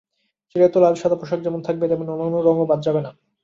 চিরায়ত লাল-সাদা পোশাক যেমন থাকবে, তেমনি অন্যান্য রংও বাদ যাবে না।